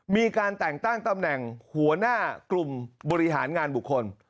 มีการแต่งตั้งตำแหน่งหัวหน้ากลุ่มบริหารงานบุคคล